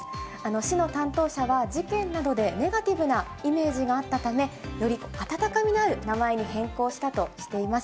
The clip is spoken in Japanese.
市の担当者は、事件などでネガティブなイメージがあったため、より温かみのある名前に変更したとしています。